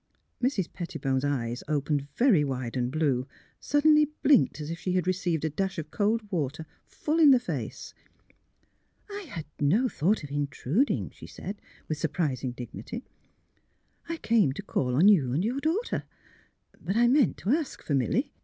Mrs. Pettibone 's eyes, opened very wide and blue, suddenly blinked as if she had received a dash of cold water full in the face. I had no — thought of — intruding," she said, with surprising dignity. '* I came to call upon NOT AT HOME TO VISITORS 149 you and your daughter; but I meant to ask for Milly.